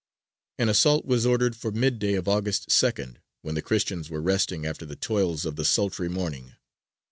An assault was ordered for midday of August 2nd, when the Christians were resting after the toils of the sultry morning.